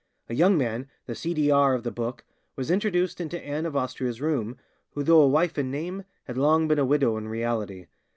A young man, the C. D. R. of the book, was introduced into Anne of Austria's room, who though a wife in name had long been a widow in reality.